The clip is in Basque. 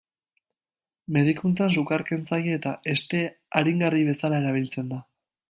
Medikuntzan sukar-kentzaile eta heste-aringarri bezala erabiltzen da.